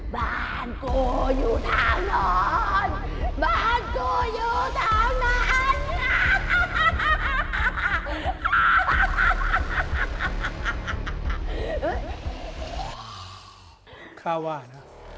บ้านคุณ